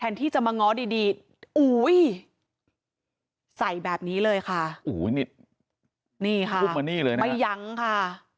นี่ค่ะไม่ยังค่ะพูดมานี่เลยนะ